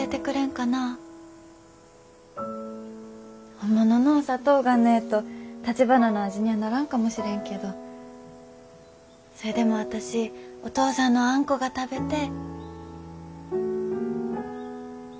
本物のお砂糖がねえとたちばなの味にはならんかもしれんけどそれでも私お父さんのあんこが食べてえ。